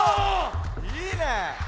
いいね。